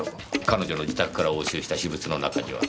彼女の自宅から押収した私物の中には？